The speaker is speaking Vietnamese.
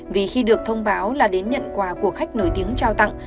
vì khi được thông báo là đến nhận quà của khách nổi tiếng trao tặng